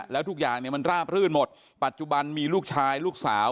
แล้วทุกอย่างเนี่ยมันราบรื่นหมดปัจจุบันมีลูกชายลูกสาว